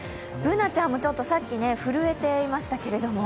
Ｂｏｏｎａちゃんもさっき震えていましたけれども。